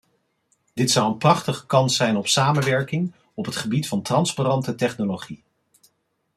Dit zou een prachtige kans zijn op samenwerking op het gebied van transparante technologie.